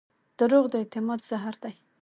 دروغ د اعتماد زهر دي.